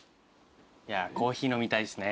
いやコーヒー飲みたいっすね。